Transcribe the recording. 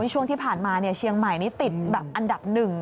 ช่วงที่ผ่านมาเชียงใหม่นี่ติดแบบอันดับหนึ่ง